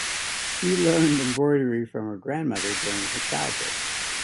She learned embroidery from her grandmother during her childhood.